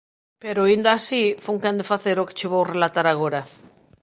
Pero, inda así, fun quen de facer o que che vou relatar agora.